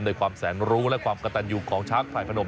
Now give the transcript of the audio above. ในความแสนรู้และความกระตันอยู่ของช้างฝ่ายพนม